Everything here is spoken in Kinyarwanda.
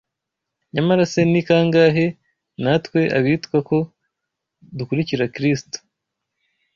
nyamara se ni kangahe natwe abitwa ko dukurikira Kristo